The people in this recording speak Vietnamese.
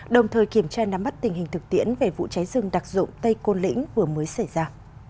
đồng thời kiểm tra nắm bắt tình hình thực tiễn về vụ cháy rừng đặc dụng tây côn lĩnh vừa mới xảy ra